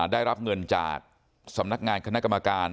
ได้รับเงินจากสำนักงานคณะกรรมการ